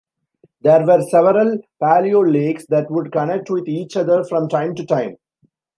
There were several paleo-lakes that would connect with each other from time to time.